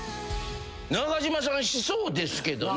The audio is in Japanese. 中島さんしそうですけどね。